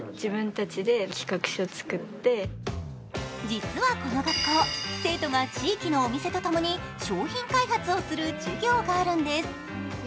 実はこの学校、生徒が地域のお店とともに商品開発をする授業があるんです。